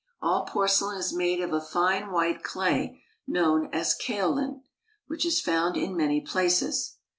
All porcelain is made of a fine white clay known as kaolin, which is found in many places.